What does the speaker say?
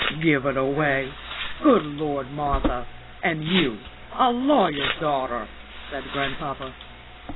"Give it away! Good Lord, Martha and you a lawyer's daughter!" said grandpapa.